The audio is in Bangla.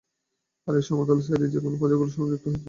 আর এই সমতল সাইড যেখানে পাঁজরগুলো সংযুক্ত হয়েছে।